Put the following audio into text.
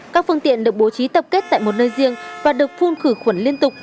các phương tiện được bố trí tập kết tại một nơi riêng và được phun khử khuẩn liên tục